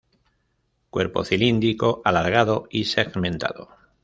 Cuerpo cilíndrico, alargado y segmentado.